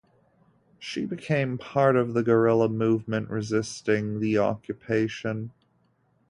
She became part of the guerrilla movement resisting the occupation.